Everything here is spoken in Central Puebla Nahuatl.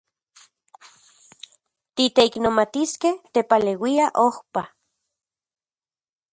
Titeiknomatiskej tepaleuia ojpa.